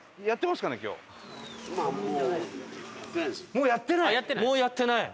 もうやってない？